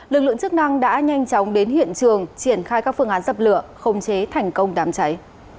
lực lượng chức năng đã nhanh chóng đến hiện trường triển khai các phương án dập lửa không chế thành công đám cháy